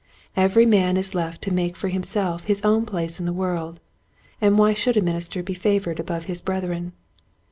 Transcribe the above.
Every man is left to make for himself his own place in the world, and why should a minister be favored above his brethren?